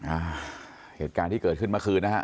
อ่าเหตุการณ์ที่เกิดขึ้นเมื่อคืนนะฮะ